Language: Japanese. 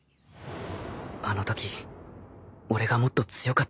あのとき俺がもっと強かったら。